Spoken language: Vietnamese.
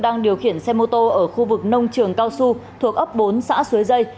đang điều khiển xe mô tô ở khu vực nông trường cao xu thuộc ấp bốn xã xuế dây